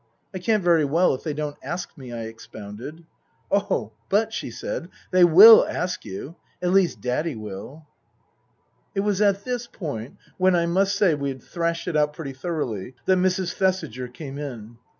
" I can't very well if they don't ask me," I expounded. " Oh, but," she said, " they will ask you. At least Daddy will." It was at this point (when, I must say, we had thrashed it out pretty thoroughly) that Mrs. Thesiger came in.